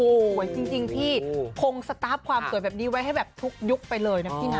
สวยจริงพี่คงสตาร์ฟความสวยแบบนี้ไว้ให้แบบทุกยุคไปเลยนะพี่นะ